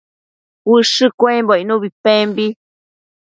ushë cuembo icnuc pembi